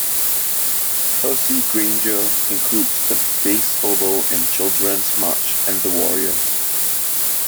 Percy Grainger includes the bass oboe in Children's March and The Warriors.